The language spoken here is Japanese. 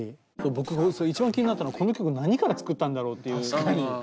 僕が一番気になったのはこの曲何から作ったんだろうっていう。